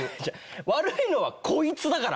悪いのはこいつだから！